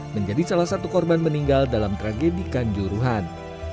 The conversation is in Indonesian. menjadi salah satu korban meninggal dalam tragedi kanjuruhan